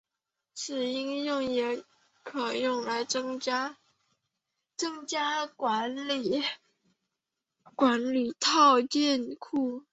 此应用也可用来增加或管理套件库。